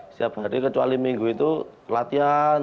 setiap hari kecuali minggu itu latihan